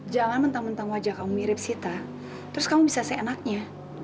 jangan mentang mentang wajah kamu mirip sita terus kamu bisa seenaknya